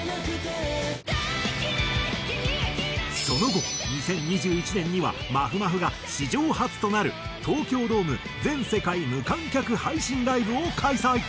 その後２０２１年にはまふまふが史上初となる東京ドーム全世界無観客配信ライブを開催。